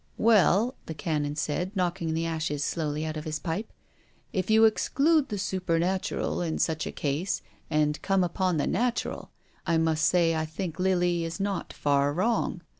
" Well," the Canon said, knocking the ashes slowly out of his pipe, "if you exclude the super natural in such a case, and come upon the natural, I must say I think Lily is not far wrong.